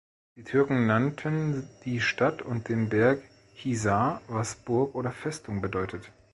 Die Türken nannten die Stadt und den Berg Hisar, was Burg oder Festung bedeutet.